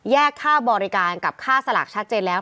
ค่าบริการกับค่าสลากชัดเจนแล้ว